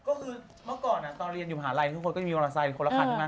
ก็คือเมื่อก่อนตอนเรียนอยู่หาลัยทุกคนก็มีวาลักษณ์ไซด์คนละคร